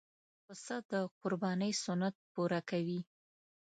پسه د قربانۍ سنت پوره کوي.